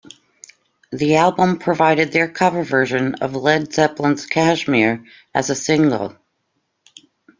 The album provided their cover version of Led Zeppelin's "Kashmir" as a single.